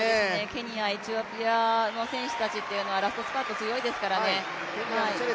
ケニア、エチオピアの選手たちっていうのはラストスパート強いですからね。